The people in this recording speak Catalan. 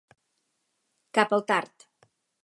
Cap al tard.